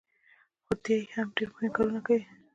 خو دی هم ډېر مهم کارونه کوي.